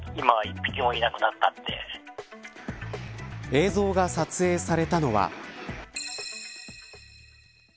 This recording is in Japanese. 映像が撮影されたのは。